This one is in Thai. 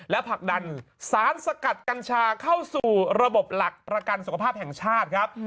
และผลักดันสารสกัดกัญชาเข้าสู่ระบบหลักประกันสุขภาพแห่งชาติครับ